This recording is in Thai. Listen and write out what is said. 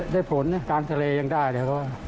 ได้ผลนะทางทะเลยังได้แต่ก็บนได้ทุกที่